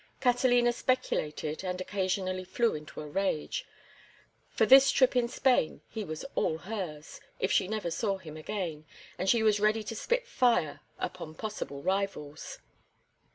Catalina speculated and occasionally flew into a rage; for this trip in Spain he was all hers, if she never saw him again, and she was ready to spit fire upon possible rivals.